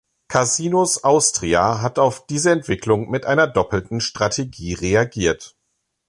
Casinos Austria hat auf diese Entwicklung mit einer doppelten Strategie reagiert.